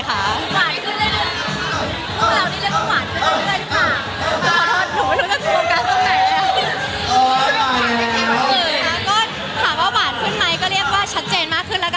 ถามว่าหวานขึ้นไหมก็เรียกว่าชัดเจนมากขึ้นแล้วกัน